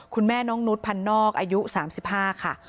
คุณแม่น้องนุษย์พันนอกอายุ๓๕ค่ะ